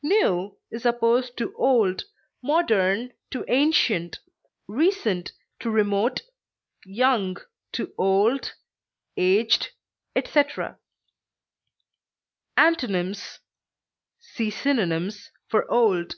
New is opposed to old, modern to ancient, recent to remote, young to old, aged, etc. Antonyms: See synonyms for OLD.